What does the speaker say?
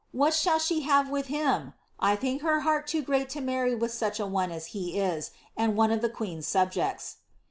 What shall she have with him ? I think her heart too great to marry with such a one as he is, and one of the queen^s subjects.